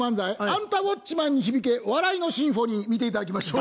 「『アンタウォッチマン！』に響け笑いのシンフォニー」見て頂きましょう。